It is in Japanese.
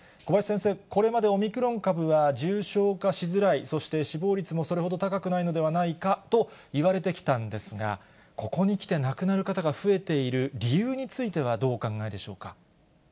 小林先生、これまでオミクロン株は重症化しづらい、そして死亡率もそれほど高くないのではないかといわれてきたんですが、ここにきて、亡くなる方が増えている理由については、どうお考えでしょうか。